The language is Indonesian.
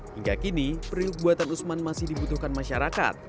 hingga kini periuk buatan usman masih dibutuhkan masyarakat